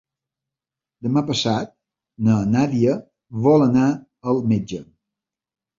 Demà passat na Nàdia vol anar al metge.